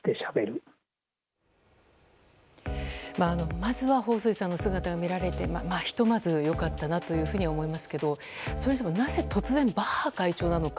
まずはホウ・スイさんの姿が見られて、ひとまずよかったと思いますけどそれにしてもなぜ突然バッハ会長なのか。